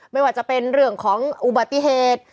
ไม่ว่าจะเป็นเรื่องของอุบัติเหตุ